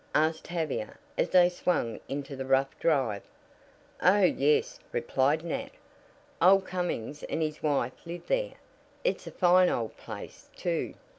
asked Tavia as they swung into the rough drive. "Oh, yes," replied Nat. "Old Cummings and his wife live there. It's a fine old place, too.